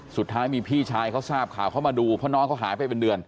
สุดท้ายมีพี่ชายเขาทราบข่าวเขามาดูเพราะน้องเขาหายไปเป็นเดือน